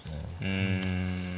うん。